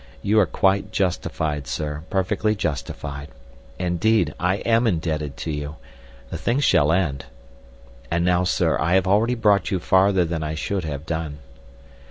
You are quite justified, sir—perfectly justified. Indeed, I am indebted to you. The thing shall end. And now, sir, I have already brought you farther than I should have done."